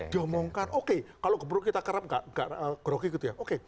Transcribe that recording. diomongkan oke kalau keburu kita kerap nggak geroki gitu ya